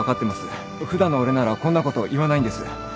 普段の俺ならこんなこと言わないんです。